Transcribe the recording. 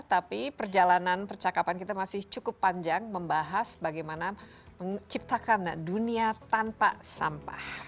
tapi perjalanan percakapan kita masih cukup panjang membahas bagaimana menciptakan dunia tanpa sampah